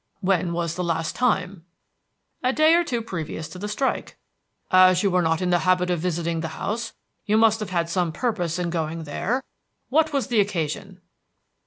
"When was the last time?" "A day or two previous to the strike." "As you were not in the habit of visiting the house, you must have had some purpose in going there. What was the occasion?"